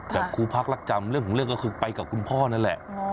แต่ครูพักรักจำเรื่องของเรื่องก็คือไปกับคุณพ่อนั่นแหละ